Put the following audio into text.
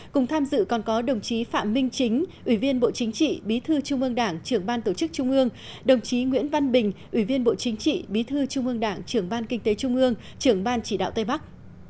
cùng tham dự còn có đồng chí phạm minh chính ủy viên bộ chính trị bí thư trung ương đảng trưởng ban tổ chức trung ương đồng chí nguyễn văn bình ủy viên bộ chính trị bí thư trung ương đảng trưởng ban kinh tế trung ương trưởng ban chỉ đạo tây bắc